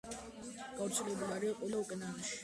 გავრცელებული არიან ყველა ოკეანეში.